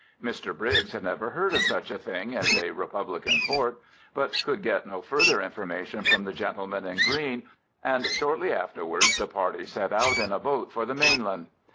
Mr Briggs had never heard of such a thing as a republican court, but could get no further information from the gentleman in green, and shortly afterwards the party set out in a boat for the mainland.